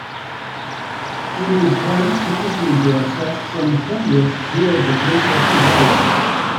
Emu Plains can easily be accessed from Penrith via the Great Western Highway.